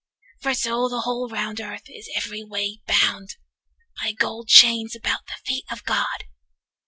For so the whole round earth is every way Bound by gold chains about the feet of God.